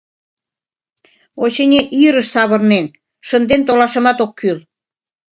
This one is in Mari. Очыни, ирыш савырнен, шынден толашымат ок кӱл.